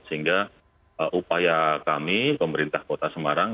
sehingga upaya kami pemerintah kota semarang